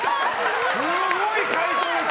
すごい回答です！